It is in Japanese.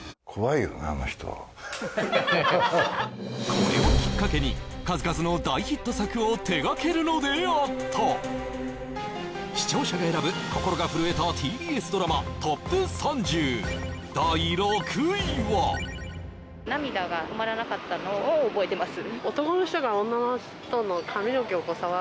これをきっかけに数々の大ヒット作を手がけるのであった視聴者が選ぶ心が震えたＴＢＳドラマＴＯＰ３０第６位はのを覚えてます